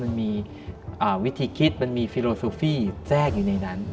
มันมีวิธีคิดมันมีฟิโลซูฟี่แทรกอยู่ในนั้น